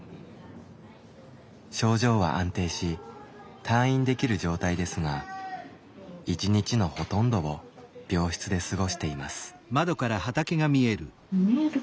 症状は安定し退院できる状態ですが一日のほとんどを病室で過ごしています。